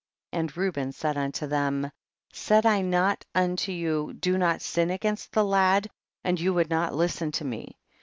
And Reuben said unto them, said I not unto you, do not sin against the lad, and you would not listen to me